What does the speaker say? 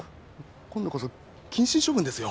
今度こそ謹慎処分ですよ。